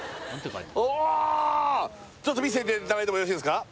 ちょっと見せていただいてもよろしいですか？